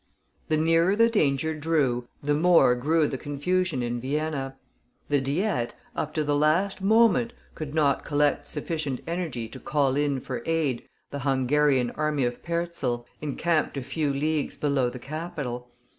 The nearer the danger drew, the more grew the confusion in Vienna. The Diet, up to the last moment, could not collect sufficient energy to call in for aid the Hungarian army of Perczel, encamped a few leagues below the capital.